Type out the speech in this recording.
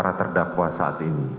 dan para terdakwa saat ini